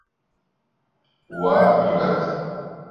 Ho ha aturat.